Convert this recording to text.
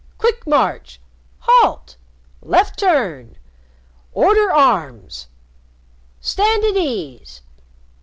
"Quick march! "Halt! "Left turn! "Order arms! "Stand at ease!